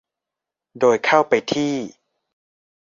โดยเข้าไปที่